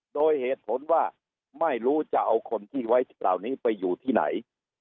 โดยเหตุผลว่าไม่รู้จะเอาคนที่ไว้เหล่านี้ไปอยู่ที่ไหน